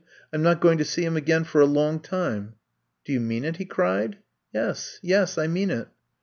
'*I 'm not going to see him again for a long time." '*Do you mean it!" he cried. ^* Yes — yes, I mean it.